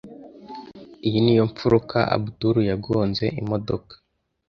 Iyi niyo mfuruka Abudul yagonze imodoka.